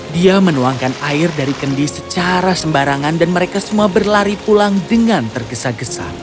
dia menuangkan air dari kendi secara sembarangan dan mereka semua berlari pulang dengan tergesa gesa